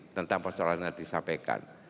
tentang persoalan yang disampaikan